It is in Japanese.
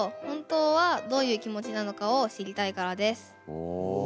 お。